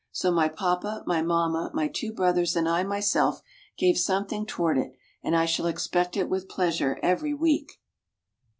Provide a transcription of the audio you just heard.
So my papa, my mamma, my two brothers, and I myself gave something toward it, and I shall expect it with pleasure every week.